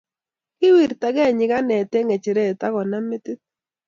kawirtagei nyikanet eng ngecheret akonam metit